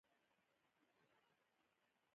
د تازه غوښې بوی د خرابې غوښې سره توپیر لري.